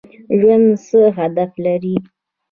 ژوند څه هدف لري؟